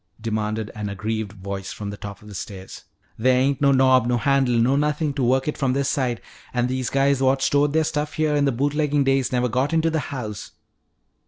demanded an aggrieved voice from the top of the stairs. "There ain't no knob, no handle, no nothin' to work it from this side. And these guys what stored their stuff here in the boot leggin' days never got into the house."